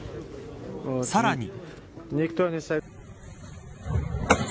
さらに。